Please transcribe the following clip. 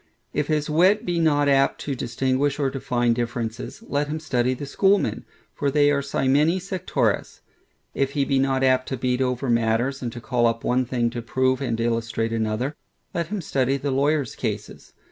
If his wit be not apt to distinguish or find differences, let him study the Schoolmen; for they are cymini sectores. If he be not apt to beat over matters, and to call up one thing to prove and illustrate another, let him study the lawyers' cases.